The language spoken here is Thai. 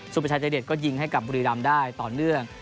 ประชายใจเด็ดก็ยิงให้กับบุรีรำได้ต่อเนื่อง